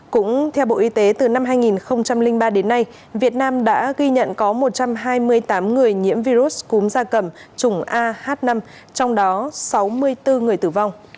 cũng theo bộ y tế từ năm hai nghìn ba đến nay việt nam đã ghi nhận có một trăm hai mươi tám người nhiễm virus cúm da cầm chủng ah năm trong đó sáu mươi bốn người tử vong